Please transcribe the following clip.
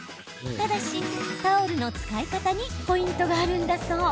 ただし、タオルの使い方にポイントがあるんだそう。